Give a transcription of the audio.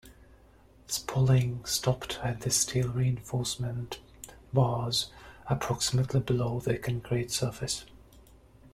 Spalling stopped at the steel reinforcement bars, approximately below the concrete surface.